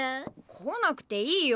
来なくていいよ。